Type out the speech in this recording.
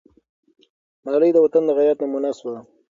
ملالۍ د وطن د غیرت نمونه سوه.